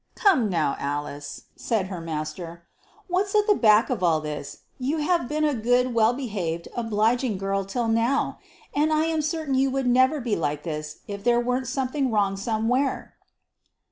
"Come now, Alice," said her master, "what's at the back of all this? You have been a good, well behaved, obliging girl till now, and I am certain you would never be like this if there weren't something wrong somewhere."